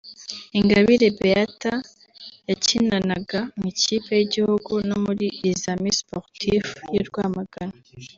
Ingabire Beatha bakinanaga mu ikipe y’igihugu no muri Les Amis Sportif y’i Rwamagana